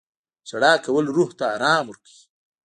• ژړا کول روح ته ارام ورکوي.